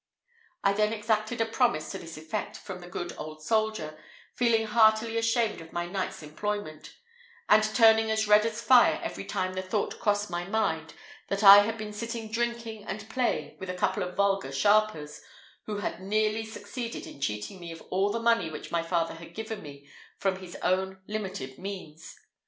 I then exacted a promise to this effect from the good old soldier, feeling heartily ashamed of my night's employment; and turning as red as fire every time the thought crossed my mind, that I had been sitting drinking and playing with a couple of vulgar sharpers, who had nearly succeeded in cheating me of all the money which my father had given me from his own limited means.